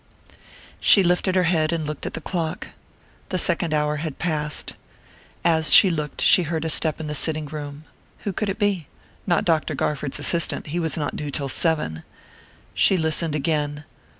She lifted her head and looked at the clock. The second hour had passed. As she looked, she heard a step in the sitting room. Who could it be? Not Dr. Garford's assistant he was not due till seven. She listened again....